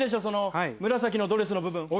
その紫のドレスの部分。